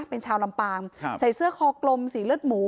เป็นชาวลำปางใส่เสื้อคอกลมสีเลือดหมู